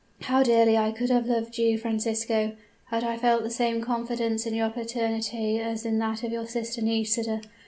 how dearly I could have loved you, Francisco, had I felt the same confidence in your paternity as in that of your sister Nisida!